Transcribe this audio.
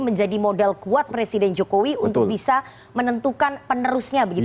menjadi modal kuat presiden jokowi untuk bisa menentukan penerusnya begitu